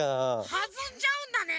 はずんじゃうんだね。